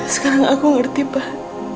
sekarang aku ngerti pak